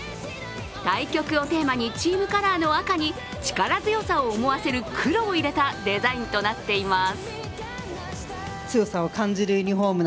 対極をテーマにチームカラーの赤に力強さを思わせる黒を入れたデザインとなっています。